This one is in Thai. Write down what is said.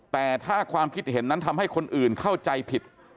แต่ถ้าความคิดเห็นนั้นทำให้คนอื่นเข้าใจผิด